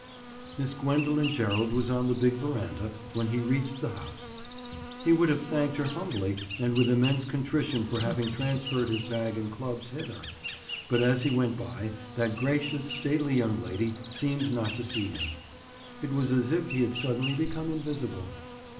Miss Gwendoline Gerald was on the big veranda when he reached the house. He would have thanked her humbly and with immense contrition for having transferred his bag and clubs hither, but as he went by, that gracious, stately young lady seemed not to see him. It was as if he had suddenly become invisible.